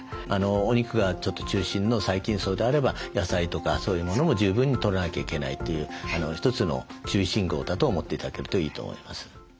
お肉がちょっと中心の細菌叢であれば野菜とかそういうものも十分にとらなきゃいけないという一つの注意信号だと思って頂けるといいと思います。